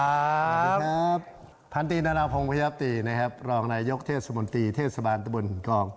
สวัสดีครับพันตีนาราพงศ์พยาตีนะครับรองนายกเทศมนตรีเทศบาลตะบนหินกอง